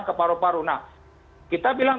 ke paru paru nah kita bilang